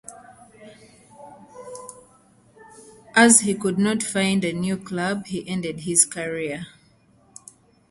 As he could not find a new club, he ended his career.